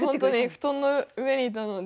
布団の上にいたので。